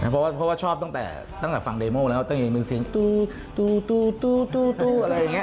เพราะว่าชอบตั้งแต่ฟังเดโมแล้วตั้งแต่ยังยังมีเสียงตูตูตูตูตูอะไรอย่างเงี้ย